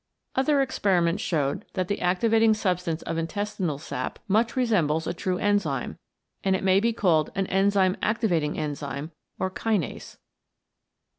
Other experiments showed that the activating substance of the intestinal sap much resembles a true enzyme, and it may be called an Enzyme activating Enzyme, or Kinase.